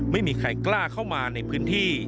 ไม่มีใครกล้าเข้ามาในพื้นที่